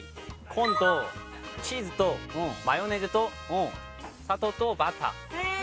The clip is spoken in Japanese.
コーンとチーズとマヨネーズと砂糖とバターへえ